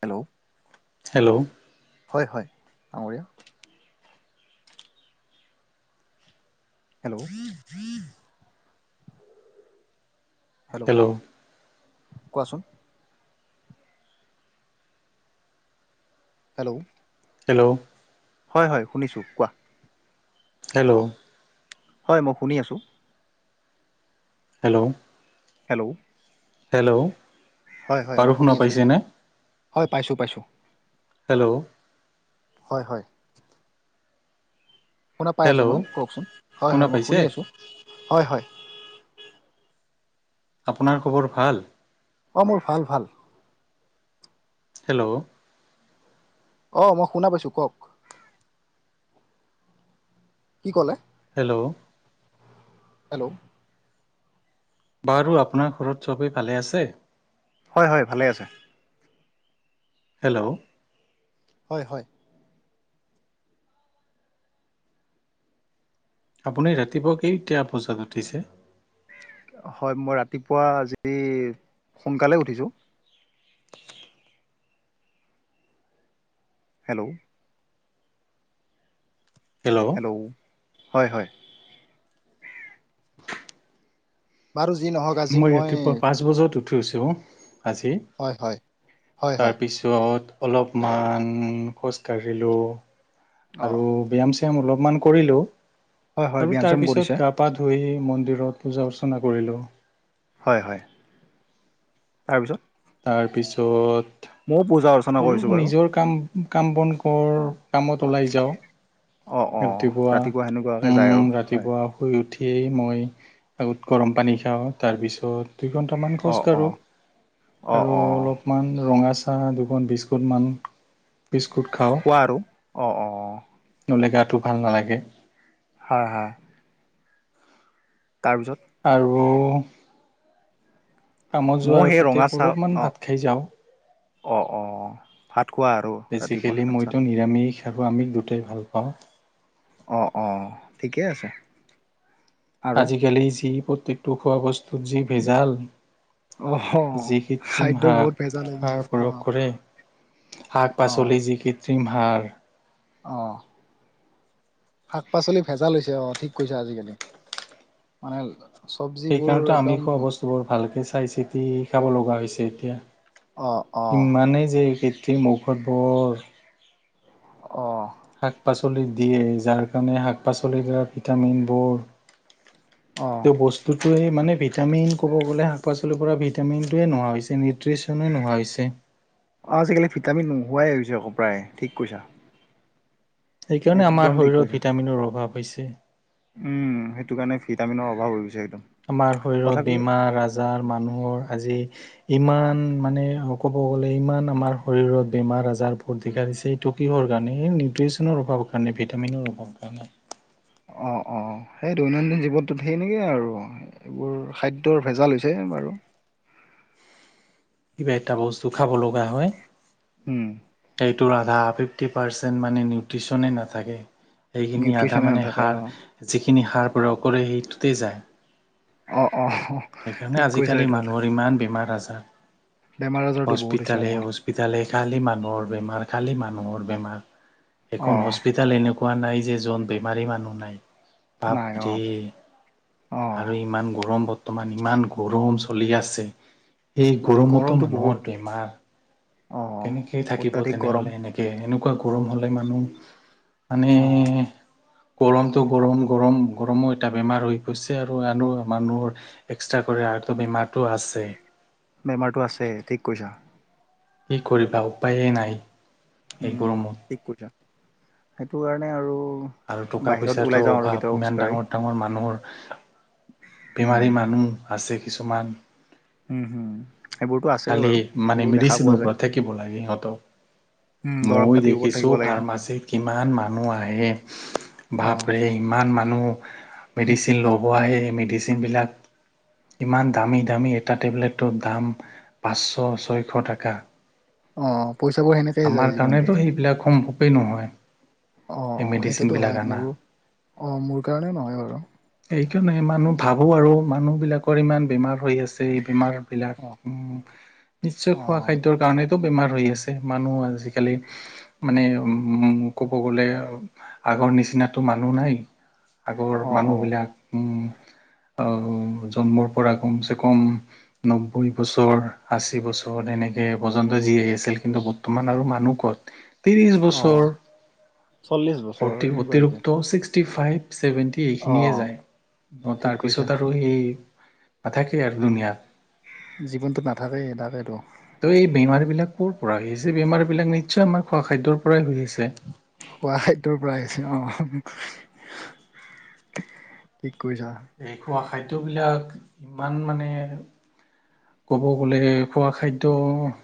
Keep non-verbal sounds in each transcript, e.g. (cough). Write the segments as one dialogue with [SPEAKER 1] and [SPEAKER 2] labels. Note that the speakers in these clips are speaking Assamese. [SPEAKER 1] Hello
[SPEAKER 2] hello.
[SPEAKER 1] অ। (unintelligible) হেল্ল'। হেল্ল', কোৱাচোন? হেল্ল'।
[SPEAKER 2] হেল্ল'।
[SPEAKER 1] হয় হয়, শুনিছোঁ। কোৱা?
[SPEAKER 2] হেল্ল'।
[SPEAKER 1] হয়, মই শুনি আছোঁ।
[SPEAKER 2] হেল্ল',
[SPEAKER 1] হেল্ল',
[SPEAKER 2] হেল্ল',
[SPEAKER 1] হয় হয় মই
[SPEAKER 2] বাৰু
[SPEAKER 1] শুনি
[SPEAKER 2] শুনা
[SPEAKER 1] আছোঁ
[SPEAKER 2] পাইছেনে?
[SPEAKER 1] হয় পাইছোঁ পাইছোঁ
[SPEAKER 2] হেল্ল',
[SPEAKER 1] হয় -হয়। শুনা পাই আছোঁ
[SPEAKER 2] হেল্ল'
[SPEAKER 1] মই, কওকচোন? হয়
[SPEAKER 2] শুনা
[SPEAKER 1] হয়, মই
[SPEAKER 2] পাইছে
[SPEAKER 1] শুনি আছোঁ। হয় -হয়।
[SPEAKER 2] আপোনাৰ খবৰ ভাল?
[SPEAKER 1] অ', মোৰ ভাল-ভাল।
[SPEAKER 2] হেল্ল',
[SPEAKER 1] অ', মই শুনা পাইছো, কওক? কি ক'লে?
[SPEAKER 2] হেল্ল',
[SPEAKER 1] হেল্ল',
[SPEAKER 2] বাৰু আপোনাৰ ঘৰত সবেই ভালে আছে?
[SPEAKER 1] হয়-হয়, ভালেই আছে।
[SPEAKER 2] হেল্ল',
[SPEAKER 1] হয়-হয়।
[SPEAKER 2] আপুনি ৰাতিপুৱা কেইতিয়া বজাত উঠিছে?
[SPEAKER 1] হয়, মই ৰাতিপুৱা আজি সোনকালে উঠিছোঁ। হেল্ল', হেল্ল', হয়-হয়। বাৰু যি নহওক আজি
[SPEAKER 2] মই ৰাতিপুৱা পাঁচ বজাত উঠ উঠিছোঁ আজি।
[SPEAKER 1] হয় হয় হয় হয়
[SPEAKER 2] তাৰপিছত অলপমান খোজকাঢ়িলোঁ
[SPEAKER 1] অঁ
[SPEAKER 2] আৰু ব্যায়াম চায়াম অলপ মান কৰিলোঁ।
[SPEAKER 1] হয় হয়
[SPEAKER 2] আৰু
[SPEAKER 1] ব্যায়াম
[SPEAKER 2] তাৰ
[SPEAKER 1] চাম
[SPEAKER 2] পিছত
[SPEAKER 1] কৰিছে
[SPEAKER 2] গা-পা ধুই মন্দিৰ ঘৰত পূজা-অৰ্চনা কৰিলো।
[SPEAKER 1] হয়-হয়, তাৰপিছত?
[SPEAKER 2] তাৰপিছত,
[SPEAKER 1] ময়ো পূজা অৰ্চনা কৰিছোঁ
[SPEAKER 2] অলপ
[SPEAKER 1] বাৰু
[SPEAKER 2] নিজৰ কাম-কাম বন কৰ কামত ওলাই যাওঁ,
[SPEAKER 1] অ অ
[SPEAKER 2] ৰাতিপুৱা
[SPEAKER 1] সেনেকুৱাকে যায়
[SPEAKER 2] উম,
[SPEAKER 1] আৰু হয়
[SPEAKER 2] ৰাতিপুৱা শুই উঠি। সিয়েই মই আগত গৰম পানী খাওঁ। তাৰপিছত দুই ঘন্টামান
[SPEAKER 1] অ
[SPEAKER 2] খোজ
[SPEAKER 1] অ
[SPEAKER 2] কাঢ়োঁ
[SPEAKER 1] অ
[SPEAKER 2] আৰু
[SPEAKER 1] অ
[SPEAKER 2] অলপমান ৰঙা চাহ, দুখন বিস্কুটমান। বিস্কুট খাওঁ,
[SPEAKER 1] খোৱা আৰু অ অ
[SPEAKER 2] ন'হলে গাটো ভাল নালাগে।
[SPEAKER 1] হয়-হয়। তাৰপিছত?
[SPEAKER 2] আৰু কামত
[SPEAKER 1] ময়ো
[SPEAKER 2] যোৱাৰ
[SPEAKER 1] সেই
[SPEAKER 2] আগতে অলপমান ভাত খাই যাওঁ।
[SPEAKER 1] অ-অ, ভাত। খোৱা আৰু ৰাতিপুৱা
[SPEAKER 2] বেচিকেলি
[SPEAKER 1] আচ্ছা
[SPEAKER 2] মইতো নিৰামিষ আৰু আমিষ দুটাই ভাল পাওঁ।
[SPEAKER 1] অ-অ, ঠিকেই আছে। আৰু
[SPEAKER 2] আজিকালি যি প্ৰত্যেকটো খোৱা বস্তুত যি ভেজাল।
[SPEAKER 1] অ
[SPEAKER 2] যি কৃত্ৰিম
[SPEAKER 1] খাদ্যৰ বহুত
[SPEAKER 2] হাক
[SPEAKER 1] ভেজাল হৈ গৈছে
[SPEAKER 2] সাৰ
[SPEAKER 1] অ
[SPEAKER 2] প্ৰয়োগ কৰে। শাক পাচলি যি কৃত্ৰিম সাৰ
[SPEAKER 1] অহ, শাক-পাচলি ভেজা লৈছে অ' ঠিক কৈছে আজিকালি মানে চবজিবোৰ
[SPEAKER 2] সেইকাৰণো আমি
[SPEAKER 1] একদম
[SPEAKER 2] খোৱা বস্তুবোৰ ভালকে চাই চিতি খাব লগা হৈছে এতিয়া।
[SPEAKER 1] অ অ
[SPEAKER 2] ইমানেই যে কৃত্ৰিম ঔষধ বৰ
[SPEAKER 1] অ',
[SPEAKER 2] শাক-পাচলি দিয়ে, যাৰ কাৰণে শাক-পাচলিৰ দ্বাৰা ভিটামিনবোৰ
[SPEAKER 1] অ
[SPEAKER 2] তেওঁ বস্তুটোৱে মানে ভিটামিন, ক'ব গ'লে শাক পাচলিৰ পৰা ভিটামিনটোৱেই নোহোৱা হৈছে নে ত্ৰিছনেই নোহোৱা হৈছে
[SPEAKER 1] হোৱাই হৈছে আকৌ প্ৰায়, ঠিক কৈছা।
[SPEAKER 2] সেইকাৰণে আমাৰ
[SPEAKER 1] একদম ঠিক
[SPEAKER 2] শৰীৰত
[SPEAKER 1] কৈছা।
[SPEAKER 2] ভিটামিনৰ অভাৱ হৈছে।
[SPEAKER 1] উম, সেইটো কাৰণে ভিটামিনৰ অভাৱ হৈছে।
[SPEAKER 2] আমাৰ শৰীৰত বিমাৰ-আজাৰ মানুহৰ আজি, ইমান মানে স, ক'ব গ'লে ইমান আমাৰ শৰীৰত বেমাৰ-আজাৰ ভৰ্তি (unintelligible) হৈছে, এইটো কিহৰ কাৰণে হে? নিউট্ৰিচনৰ অভাৱৰ কাৰণে, ভিটামিনৰ অভাৱ কাৰণে।
[SPEAKER 1] অ', অ'। সেই দৈনন্দিন জীৱনটোত সেইনেকেই আৰু এইবোৰ খাদ্যৰ ভেজাল হৈছে, বাৰু।
[SPEAKER 2] (inaudible) কিবা এটা বস্তু খাব লগা হয়।
[SPEAKER 1] উম,
[SPEAKER 2] সেইটোৰ বা ফিফ্টি পাৰ্চেণ্ট মানে নিউট্ৰিচনে নাথাকে। সেইখিনি আধা
[SPEAKER 1] নিউট্ৰিচনে
[SPEAKER 2] মানে
[SPEAKER 1] নাথাকে
[SPEAKER 2] সাৰ,
[SPEAKER 1] অ'।
[SPEAKER 2] যিখিনি সাৰ প্ৰয়োগ কৰি, সেইটোতে যায়।
[SPEAKER 1] অ', আহ, অ',
[SPEAKER 2] সেইকাৰণে
[SPEAKER 1] ঠিক কৈছা
[SPEAKER 2] আজিকালি
[SPEAKER 1] এইটো কথা।
[SPEAKER 2] মানুহৰ
[SPEAKER 1] বেমাৰ আজাৰতো বহুত হৈছে
[SPEAKER 2] হস্পিটালে,
[SPEAKER 1] অ',
[SPEAKER 2] হস্পিটালে খালি মানুহৰ বেমাৰ, খালি মানুহৰ বেমাৰ। এখন
[SPEAKER 1] অ',
[SPEAKER 2] হস্পিতাল এনেকুৱা নাই যে, জন বেমাৰী মানুহ নাই। পাপ
[SPEAKER 1] নাই অ',
[SPEAKER 2] দেই
[SPEAKER 1] অ',
[SPEAKER 2] আৰু ইমান গৰম বত বৰ্তমান ইমান গৰম চলি আছে, এই
[SPEAKER 1] বা
[SPEAKER 2] গৰমতো
[SPEAKER 1] গৰমটো বহুত
[SPEAKER 2] মানুহৰ বেমাৰ
[SPEAKER 1] অ'।
[SPEAKER 2] কেনেকে থাকিব
[SPEAKER 1] অত্যাধিক গৰম
[SPEAKER 2] তেনেহ'লে এনেকে? এনো এনেকুৱা গৰম হ'লে মানুহ, মানে
[SPEAKER 1] অ',
[SPEAKER 2] গৰমটো গৰম, গৰম, গৰমো এটা বেমাৰ হৈ গৈছে আৰু, আৰু মানুহৰ এক্সট্ৰা কৰি আৰুটো বেমাৰতটো আছেই।
[SPEAKER 1] বেমাৰটো আছে, ঠিক কৈছা।
[SPEAKER 2] কি কৰিবা উপায়েই নাই। এই
[SPEAKER 1] উম,
[SPEAKER 2] গৰমত।
[SPEAKER 1] ঠিক কৈছা। সেইটো কাৰণে আৰু
[SPEAKER 2] আৰু টকা
[SPEAKER 1] বাহিৰত ওলাই
[SPEAKER 2] পইচাটো
[SPEAKER 1] যাওঁ আৰু
[SPEAKER 2] অভাৱ,
[SPEAKER 1] কেতিয়াবা
[SPEAKER 2] ইমান
[SPEAKER 1] খোজকাঢ়ি
[SPEAKER 2] ডাঙৰ ডাঙৰ মানুহৰ
[SPEAKER 1] উম।
[SPEAKER 2] বেমাৰী মানুহ, আছে কিছুমান।
[SPEAKER 1] উম, হুম, সেইবোৰতো আছেই
[SPEAKER 2] খালি,
[SPEAKER 1] বাৰু
[SPEAKER 2] মানে
[SPEAKER 1] সেইবোৰ দেখা
[SPEAKER 2] মেডিচিনৰ
[SPEAKER 1] পোৱা যায়।
[SPEAKER 2] ওপৰত থাকিব লাগে, সিহঁতক।
[SPEAKER 1] উম, দৰৱ
[SPEAKER 2] মই
[SPEAKER 1] পাতিৰ ওপৰত
[SPEAKER 2] দেখিছোঁ,
[SPEAKER 1] থাকিব লাগে।
[SPEAKER 2] ফাৰ্মাচীত কিমান মানুহ আহে!
[SPEAKER 1] অ',
[SPEAKER 2] ভাপৰে! ইমান মানুহ, মেডিচিন ল'ব আহে। মেডিচিনবিলাক ইমান দামী, দামী এটা টেবলেটৰ দাম, পাঁচশ, ছয়শ টাকা।
[SPEAKER 1] অ'। পইচাবোৰ সেনেকেই যায়
[SPEAKER 2] আমাৰ
[SPEAKER 1] জীৱনটোত।
[SPEAKER 2] কাৰণেটো এইবিলাক সম্ভৱেই নহয়।
[SPEAKER 1] অ',
[SPEAKER 2] সেই
[SPEAKER 1] অ', সেইটোতো
[SPEAKER 2] মেডিচিনবিলাক
[SPEAKER 1] হয়,
[SPEAKER 2] আনা।
[SPEAKER 1] মোৰো। অ', মোৰ কাৰণেও নহয় বাৰু।
[SPEAKER 2] সেইকাৰণে (unintelligible) ভাবোঁ আৰু মানুহবিলাকৰ ইমান বেমাৰ হৈ আছে, এই বেমাৰবিলাক।
[SPEAKER 1] অ',
[SPEAKER 2] উম, নিশ্চয় খোৱা
[SPEAKER 1] অ',
[SPEAKER 2] খাদ্যৰ কাৰণেইটো বেমাৰ হৈ আছে। মানুহ আজিকালি, মানে উম, ক'ব গ'লে আগৰ নিচিনাটো মানুহ নাই, আগৰ
[SPEAKER 1] অ', অ',
[SPEAKER 2] মানুহবিলাক উম, অউ জন্মৰ পৰা কমচে কম, নব্বৈ বছৰ, আশী বছৰত এনেকে পৰ্যন্ত আজি আহি আছিল কিন্তু বৰ্তমান আৰু মানুহ ক'ত? ত্ৰিছ বছৰ,
[SPEAKER 1] অ', চল্লিশ বছৰ
[SPEAKER 2] ফৰ্তি,
[SPEAKER 1] এনেকুৱা হৈছে।
[SPEAKER 2] অতিৰিক্ত চিক্স টি ফাইভ, ছেভেন্টি এইখিনিয়ে
[SPEAKER 1] অ',
[SPEAKER 2] যায়। অ,
[SPEAKER 1] ঠিক কৈছা
[SPEAKER 2] তাৰপিছত আৰু এই নাথাকে আৰু দুনীয়াত।
[SPEAKER 1] জীৱনটো নাথাকেই, তাকেইটো।
[SPEAKER 2] ত' এই বেমাৰবিলাক ক'ৰ পৰা আহিছে? এই বেমাৰবিলাক নিশ্চয় আমাৰ খোৱা খাদ্যৰ পৰাই হৈ আছে
[SPEAKER 1] খোৱা খাদ্যৰ পৰা আহিছে। অহ। (inaudible)
[SPEAKER 2] এই খোৱা খাদ্যবিলাক, ইমান মানে ক'ব গ'লে খোৱা খাদ্যয়-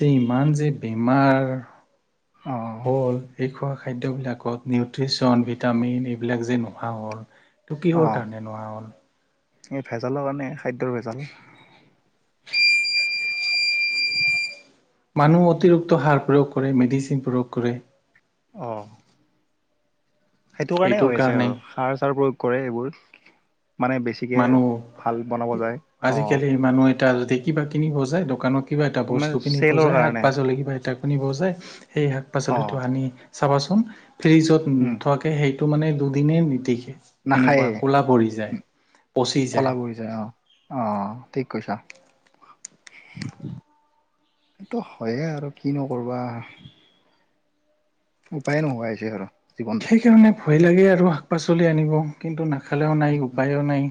[SPEAKER 2] যে ইমান যে বেমাৰ
[SPEAKER 1] অ',
[SPEAKER 2] হ'ল এই খোৱা খাদ্যবিলাকত নিউট্ৰিচন, ভিটামিন এইবিলাক যে নোহোৱা হ'ল তো কিহৰ
[SPEAKER 1] অ',
[SPEAKER 2] কাৰণে নোৱাৰা হল
[SPEAKER 1] এই ভেজালৰ কাৰণে খাদ্যৰ ভেজাল
[SPEAKER 2] মানুহ অতিৰক্ত সাৰ প্ৰয়োগ কৰে মেডিচিন প্ৰয়োগ কৰে
[SPEAKER 1] অহঁ সেইটো কাৰণে হৈ আছে আৰু সাৰ চাৰ প্ৰয়োগ কৰে এইবোৰ মানে বেছিকে
[SPEAKER 2] মানুহ-
[SPEAKER 1] ভাল বনাব যায় অ
[SPEAKER 2] আজিকালি মানুহ এটা যদি কিবা কিনিবজায় দোকানত কিবা এটা
[SPEAKER 1] মানে
[SPEAKER 2] বস্তু
[SPEAKER 1] চেলৰ
[SPEAKER 2] কিনিবজায় শাক
[SPEAKER 1] কাৰণে
[SPEAKER 2] পাচলি কিবা এটা কিনিবজায় সেই শাক
[SPEAKER 1] অ
[SPEAKER 2] পাচলিটো আনি চাবাচোন ফ্ৰিজত
[SPEAKER 1] উম
[SPEAKER 2] নোথোৱাকে সেই টো মানে দুদিনেই নিটিকে এনেকুৱা ক'লা পৰি যায়
[SPEAKER 1] কলাগুৰি যায় অ অ ঠিক কৈছে পিছা ইটো হয়ে আৰু কি ন'কৰবা উপায় নোহোৱা হৈছে আৰু জীৱনটোত
[SPEAKER 2] সেইকাৰণে ভয় লাগে আৰু শাক পাচলি আনিব কিন্তু নাখালে'ও নাই উপায়'ও নাই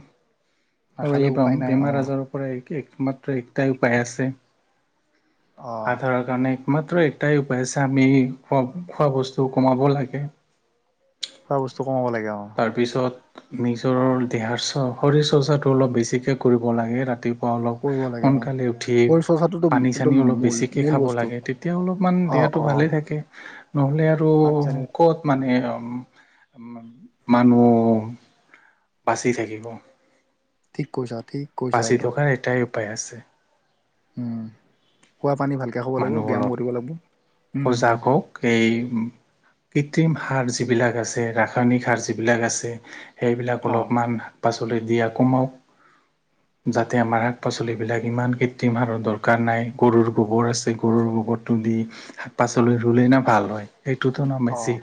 [SPEAKER 2] আৰু
[SPEAKER 1] নাখালে
[SPEAKER 2] এই ব
[SPEAKER 1] উপায় নাই অ
[SPEAKER 2] বেমাৰ আজাৰৰ পৰা একমাত্ৰ একটাই উপায় আছে
[SPEAKER 1] অ
[SPEAKER 2] আধাৰৰ কাৰণে একমাত এটাই উপায় আছে আমি খোৱা খোৱা বস্তু কমাব লাগে
[SPEAKER 1] খোৱা বস্তু কমাব লাগে অ
[SPEAKER 2] তাৰপিছত নিজৰ দেহাৰ শৰীৰ চৰ্চাটো অলপ বেছিকৈ কৰিব লাগে ৰাতি অলপ
[SPEAKER 1] কৰিব লাগে অ
[SPEAKER 2] সোনকালে উঠি
[SPEAKER 1] শৰীৰ চৰ্চাটোতো
[SPEAKER 2] পানী
[SPEAKER 1] একদম
[SPEAKER 2] চানী অলপ
[SPEAKER 1] মূল
[SPEAKER 2] বেছিকে
[SPEAKER 1] মূল
[SPEAKER 2] খাব
[SPEAKER 1] বস্তু
[SPEAKER 2] লাগে তেতিয়া অলপমান
[SPEAKER 1] অ
[SPEAKER 2] দে (unintelligible) টো
[SPEAKER 1] অ
[SPEAKER 2] ভালে থাকে নহলে আৰু
[SPEAKER 1] পানী চানী
[SPEAKER 2] কত মানে উ উ মানুহ বাচি থাকিব
[SPEAKER 1] ঠিক কৈছা ঠিক কৈছা
[SPEAKER 2] বাচি
[SPEAKER 1] একদম
[SPEAKER 2] থকাৰ এটাই উপায় আছে
[SPEAKER 1] উম কোৱা
[SPEAKER 2] মানুহ অলপ
[SPEAKER 1] উম
[SPEAKER 2] সজাগ হওক সেই কৃত্ৰিম সাৰ যিবিলাক আছে ৰাসায়নিক সাৰ যিবিলাক আছে সেইবিলাক
[SPEAKER 1] অ
[SPEAKER 2] অলপমান শাক পাচলিত দিয়া কমাওক যাতে আমাৰ শাক পাচলিবিলাক ইমান কৃত্ৰিম সাৰৰ দৰকাৰ নাই গৰুৰ গোবৰ আছে গৰুৰ গোবৰটো দি শাক পাচলি ৰুলে নে ভাল হয় সেইটোতো না
[SPEAKER 1] অ
[SPEAKER 2] বেছি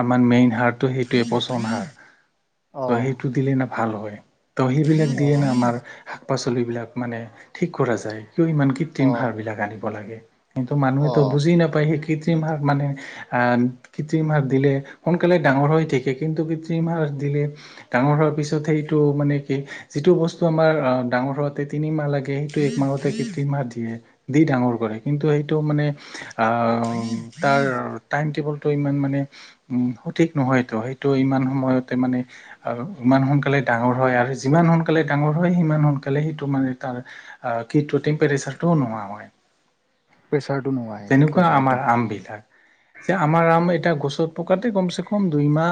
[SPEAKER 2] আমাৰ মেইন সাৰটো সেইটোৱে পচন সাৰ ত
[SPEAKER 1] অ
[SPEAKER 2] সেইটো দিলে না ভাল হয় তো সেইবিলাক দিয়ে না আমাৰ শাক পাচলিবিলাক মানে ঠিক কৰা যায় ইমান
[SPEAKER 1] অ
[SPEAKER 2] কৃত্ৰিম
[SPEAKER 1] অ
[SPEAKER 2] সাৰ বিলাক আনিব লাগে কিন্তু
[SPEAKER 1] অ
[SPEAKER 2] মানুহে'ত বুজি নাপায় সেই কৃত্ৰিমসাৰ মানে আহ কৃত্ৰিমসাৰ দিলে সোনকালে ডাঙৰ হৈ থাকে কিন্তু কৃত্ৰিম সাৰ দিলে ডাঙৰ হোৱাৰ পিছত সেইটো মানে কি যিটো বস্তু আমাৰ অ ডাঙৰ হোৱাতে তিনিমাহ লাগে সেইটো একমাহতে কৃত্ৰিমসাৰ দিয়ে দি ডাঙৰ কৰে কিন্তু সেইটো মানে তাৰ টাইম টেবুল তো ইমান মানে উ সঠিক নহয়ইটো সেইটো ইমান সময়তে মানে ইমান সোনকালে ডাঙৰ হয় আৰু যিমান সোনকালে ডাঙৰ হয় সিমান সোনকালে সেইটো মানে তাৰ অ কিন্তু টেম্পাৰেচাৰ টো নোহোৱা হয়
[SPEAKER 1] প্ৰেচাৰটো নোমাই ঠিক
[SPEAKER 2] যেনেকুৱা
[SPEAKER 1] কৈছা
[SPEAKER 2] আমাৰ
[SPEAKER 1] একদম
[SPEAKER 2] আমবিলাক যে আমাৰ আম এটা গ ত পকাতে কম চ কম দুইমাহ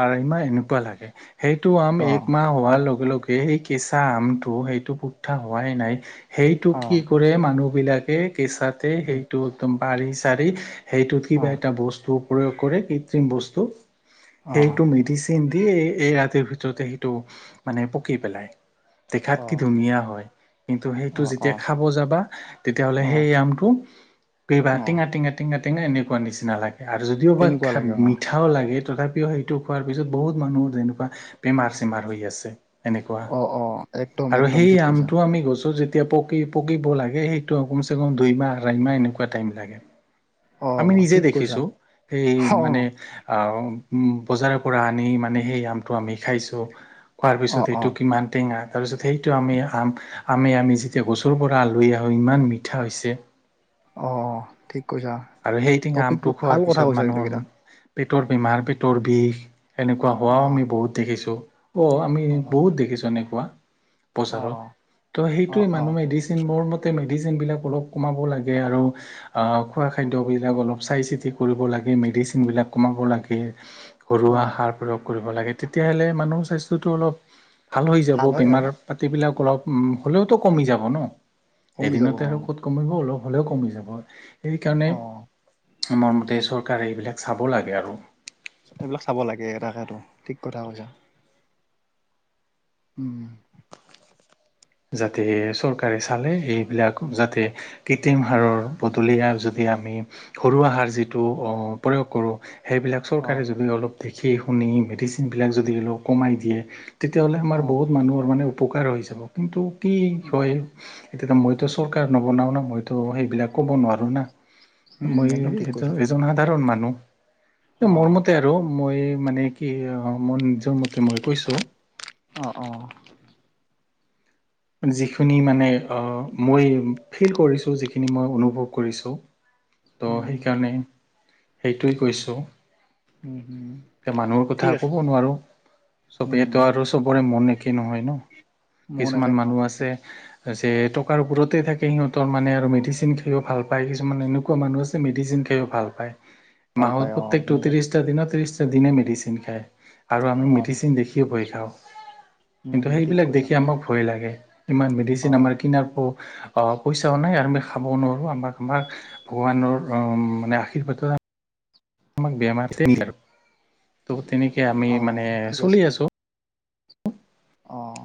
[SPEAKER 2] আঢ় মাহ এনেকুৱা লাগে সেইটো আম
[SPEAKER 1] অ
[SPEAKER 2] এক মাহ হোৱাৰ লগে লগে সেই কেঁচা আমটো সেইটো পুদ্ধা হোৱাই নাই সেইটো
[SPEAKER 1] অ
[SPEAKER 2] কি কৰে মানুহ বিলাকে কেঁচাতে
[SPEAKER 1] উম
[SPEAKER 2] সেইটো একদম বাঢ়ি চাৰি সেইটোত
[SPEAKER 1] অ
[SPEAKER 2] কিবা এটা বস্তু প্ৰয়োগ কৰে কৃত্ৰিম বস্তু
[SPEAKER 1] অ
[SPEAKER 2] সেইটো মেডিচিন দিিয় এই ৰাতিৰ ভিতৰতে সেইটো মানে পকি পেলাই দেখাত
[SPEAKER 1] অ
[SPEAKER 2] কি ধুনীয়া হয় কিন্তু সেইটো
[SPEAKER 1] অ অ
[SPEAKER 2] যেতিয়া খাব যাবা তেতিয়াাহ'লে
[SPEAKER 1] অ
[SPEAKER 2] জাম্পটোটো ক
[SPEAKER 1] অ
[SPEAKER 2] টিং আটিং - আটিং- আটিং এনেকুৱা নিচিনা লাগে আৰু যদিও বাা
[SPEAKER 1] তেনেকুৱা লাগে অ
[SPEAKER 2] মিঠাও লাগে। তথাপিও সেইটো খোৱাৰ পিছত বহুত মানুহৰ যেনেকুৱা বেমাৰ চেমাৰ হৈ আছে। এনেকুৱা
[SPEAKER 1] অ অ একদম
[SPEAKER 2] আৰু
[SPEAKER 1] একদম
[SPEAKER 2] সেই
[SPEAKER 1] ঠিক কৈছা
[SPEAKER 2] আমটো আমি গছো যে এতিয়া পকি - পকিব লাগে সেইটো কমচ কম দুই মাহ আঢ়াই মাহ এনেকুৱা টাইম লাগে।
[SPEAKER 1] অ
[SPEAKER 2] আমি নিজে
[SPEAKER 1] ঠিক কৈছা
[SPEAKER 2] দেখিছো এই
[SPEAKER 1] অ
[SPEAKER 2] মানে বজাৰৰ পৰা আনি মানে সেই আমটো আমি খাইছো। কোৱাৰ
[SPEAKER 1] অ
[SPEAKER 2] পিছত এই
[SPEAKER 1] অ
[SPEAKER 2] টুকি মমান টেঙা। তাৰপিছত সেইটো আমি আম - আম আমি যেতিয়া গছৰ পৰা আলহ আহো ইমান মিঠা হৈছে।
[SPEAKER 1] অ, ঠিক কৈছা
[SPEAKER 2] আৰু সেই টেঙা
[SPEAKER 1] টপিক
[SPEAKER 2] আমটো
[SPEAKER 1] ভাল
[SPEAKER 2] খোৱাৰ
[SPEAKER 1] কথা
[SPEAKER 2] পিছত
[SPEAKER 1] কৈছা কিন্তু
[SPEAKER 2] মানুহৰ
[SPEAKER 1] এইকেইটা
[SPEAKER 2] পেটৰ বেমাৰ পেটৰ বিষ এেনেকুৱা
[SPEAKER 1] অ
[SPEAKER 2] হোৱাও আমি বহুত দেখিছো। অ, আমি
[SPEAKER 1] অ
[SPEAKER 2] বহুত দেখিছো এনেকুৱা।
[SPEAKER 1] অ
[SPEAKER 2] বজাৰত ত'
[SPEAKER 1] অ
[SPEAKER 2] সেইটোৱে
[SPEAKER 1] অ
[SPEAKER 2] মানুহ মেডিচিন মোৰ ম তে মেডিচিন বিলাক অলপ কমাব লাগে আৰু আহ খোৱা খাদ্যবিলাক অলপ চাই চিতি কৰিব লাগে মেডিচিনবিলাক কমাব লাগে।
[SPEAKER 1] অ
[SPEAKER 2] ঘৰুৱা সাৰ প্ৰয়োগ কৰিব লাগে তেতিয়াহ'লে মানুহৰ স্বাস্থ্যটো অলপ। ভাল হৈ যাব
[SPEAKER 1] হয় আৰু
[SPEAKER 2] বেমাৰ পাতিবিলাক অলপ উম, হ'লেওতো কমি যাব ন।
[SPEAKER 1] কমি যাব
[SPEAKER 2] এদিনতে
[SPEAKER 1] অ
[SPEAKER 2] আৰু ক'ত কমিব অলপ হলেও কমি যাব
[SPEAKER 1] অ
[SPEAKER 2] সেইকাৰণে আমাৰ মতে চৰকাৰে এইবিলাক চাব লাগে আৰু।
[SPEAKER 1] এইবিলাক চাব লাগে এটাকেতো ঠিক কথা কৈছা। উম,
[SPEAKER 2] যাতে চৰকাৰে চালে এইবিলাক যাতে কৃত্ৰিম হাৰৰ বদলি যদি আমি সৰুৱ আহাৰ যিটো প্ৰয়োগ কৰো। সেইবিলাক
[SPEAKER 1] অ
[SPEAKER 2] চৰকাৰে যদি অলপ দেখি শুনি মেডিচিনবিলাক যদি অলপ কমাই দিয়ে। তেতিয়াহ'লে
[SPEAKER 1] অ
[SPEAKER 2] আমাৰ বহুত মানুহৰ মানে উপকাৰ হৈ যাব। কিন্তু কি হয় এতিয়া মইতো চৰকাৰ নবনাও ন মইতো সেইবিলাক ক'ব নোৱাৰো না।
[SPEAKER 1] উম
[SPEAKER 2] মই
[SPEAKER 1] একদম ঠিক
[SPEAKER 2] এইটো
[SPEAKER 1] কৈছা
[SPEAKER 2] এজন সাধাৰণ মানুহ
[SPEAKER 1] অ
[SPEAKER 2] মোৰ মতে আৰু মই মানে কি আহ মন নিজৰ মতে মই কৈছো।
[SPEAKER 1] অ অ
[SPEAKER 2] যিখিনি মানে মই ফিল কৰিছো যিখিনি মই অনুভৱ কৰিছো। তো
[SPEAKER 1] উম
[SPEAKER 2] সেইকাৰণে সেইটোৱেই কৈছো।
[SPEAKER 1] উম হম
[SPEAKER 2] এতিয়া মানুহৰ কথা
[SPEAKER 1] ঠিক আছে
[SPEAKER 2] কব নোৱাৰো চব
[SPEAKER 1] উম
[SPEAKER 2] এইটো আৰু চবৰে মন একেই নহয় ন।
[SPEAKER 1] মন একে
[SPEAKER 2] কিছুমান
[SPEAKER 1] নহয়
[SPEAKER 2] মানুহ আছে।
[SPEAKER 1] একদম
[SPEAKER 2] টকাৰ ওপৰতেই থাকে সিহতৰ মানে আৰু মেডিচিন খাইও ভাল পায় কিছুমান এনেকুৱা মানুহ আছে মেডিচিন খও ভাল পায়
[SPEAKER 1] ভাল
[SPEAKER 2] মাহত
[SPEAKER 1] পায় অ
[SPEAKER 2] প্ৰত্যেকটো
[SPEAKER 1] সেনেকুৱা
[SPEAKER 2] ত্ৰিশটা দিনত ত্ৰিশটা দিনে মেডিচিন খায়। আৰু আমি
[SPEAKER 1] অ
[SPEAKER 2] মেডিচিন দেখিয়ে বঢি খাও।
[SPEAKER 1] উম
[SPEAKER 2] কিন্তু
[SPEAKER 1] ঠিক
[SPEAKER 2] সেইবিলাক
[SPEAKER 1] কৈছা
[SPEAKER 2] দেখি আমাক ভয় লাগে। ইমান
[SPEAKER 1] অ
[SPEAKER 2] মেডিচিন আমাৰ কিনাৰ প অ, পইচাও নাই আৰু খাব নোৱাৰো আমাক আমাৰ ভগৱানৰ মানে আশীৰ্বাদত আমাক বেমাৰ আৰু ত' তেনেকে আমি
[SPEAKER 1] অ
[SPEAKER 2] মানে
[SPEAKER 1] ঠিক আছে
[SPEAKER 2] চলি আছো।
[SPEAKER 1] অ',